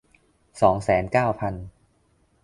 สองแสนเก้าพัน